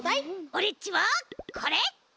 オレっちはこれ！